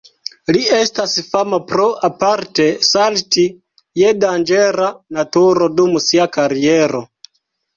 Li estas fama pro aparte salti je danĝera naturo dum sia kariero.